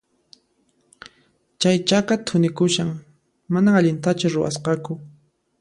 Chay chaka thunikushan, manan allintachu ruwasqaku.